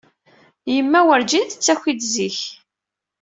Yemma Wurǧin tettaki-d zik.